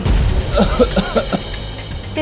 si sembara itu